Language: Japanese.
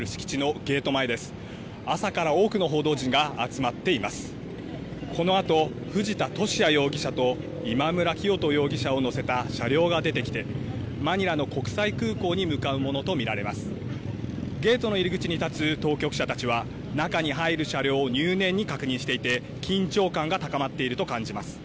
ゲートの入り口に立つ当局者たちは、中に入る車両を入念に確認していて、緊張感が高まっていると感じます。